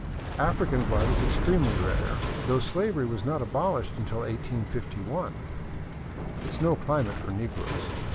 African blood is extremely rare, though slavery was not abolished until 185 1. It is no climate for negroes.